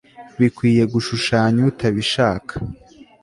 Bikwiye gushushanya utabishaka